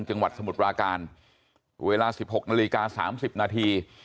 จังหวัดสมุดราการเวลา๑๖นาฬิกา๓๐นาที